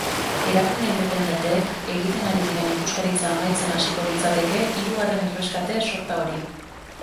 Erakunde independenteek egiten ari diren ikuskaritza amaitzen hasiko litzateke hirugarren erreskate sorta hori.